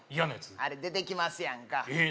あれ出てきますやんかええ